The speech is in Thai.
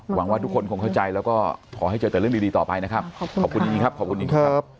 หวังว่าทุกคนคงเข้าใจแล้วก็ขอให้เจอแต่เรื่องดีต่อไปนะครับ